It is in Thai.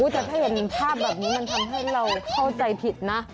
แต่ถ้าเห็นภาพแบบนี้มันทำให้เราเข้าใจผิดนะ